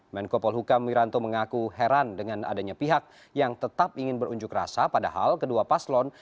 menko polhukam wiranto mengaku heran dengan adanya pihak yang tetap ingin berunjuk rasa padahal kedua paslon